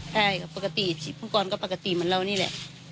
ใช่ปกติภูมิก่อนก็ปกติเหมือนเรานี่แหละ